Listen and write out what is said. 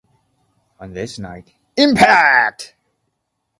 On this night, Impact!